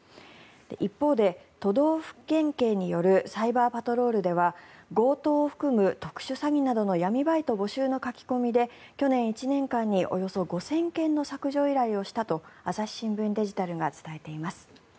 一方で、都道府県警によるサイバーパトロールでは強盗を含む特殊詐欺などの闇バイト募集の書き込みで去年１年間におよそ５０００件の削除依頼をしたと朝日新聞デジタルが伝えています。